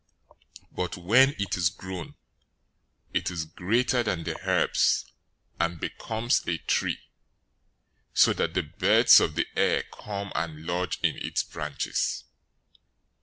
But when it is grown, it is greater than the herbs, and becomes a tree, so that the birds of the air come and lodge in its branches."